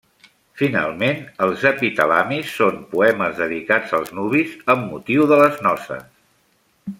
Finalment, els epitalamis són poemes dedicats als nuvis amb motiu de les noces.